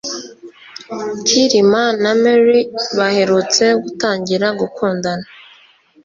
Kirima na Mary baherutse gutangira gukundana